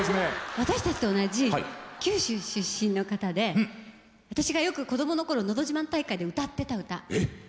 私たちと同じ九州出身の方で私がよく子供の頃「のど自慢大会」で歌ってた歌。